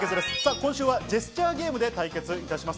今週はジェスチャーゲームで対決します。